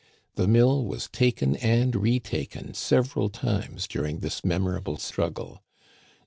The mill was taken and retaken sev eral times during this memorable struggle.